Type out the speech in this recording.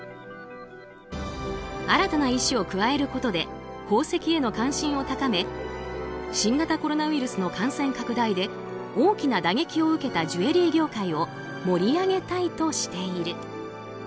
新たな石を加えることで宝石への関心を高め新型コロナウイルスの感染拡大で大きな打撃を受けたジュエリー業界を盛り上げたいとしている。